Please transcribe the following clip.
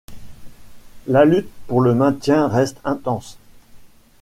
La lutte pour le maintien reste intense.